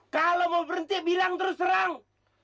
kalau mau berhenti bilang terus terang